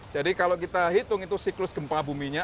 jadi kalau kita hitung itu siklus gempa buminya